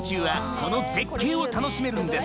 この絶景を楽しめるんです